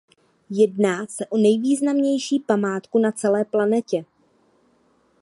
Jedná se o nejvýznamnější památku na celé planetě.